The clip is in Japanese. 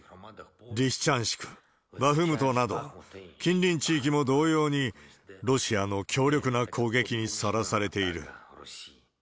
リシチャンシク、バフムトなど、近隣地域も同様に、ロシアの強力な攻撃にさらされている。